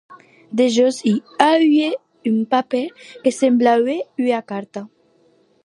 Dejós i auie un papèr que semblaue ua carta.